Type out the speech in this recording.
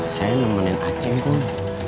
saya nemenin acing kum